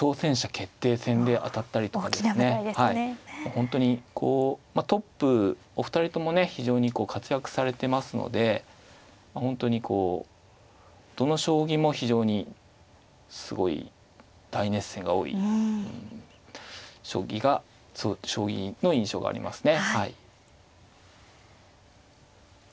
本当にこうトップお二人ともね非常に活躍されてますので本当にこうどの将棋も非常にすごい大熱戦が多い将棋の印象がありますね。